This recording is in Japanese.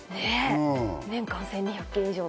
年間１２００件以上。